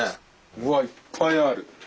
うわいっぱいある。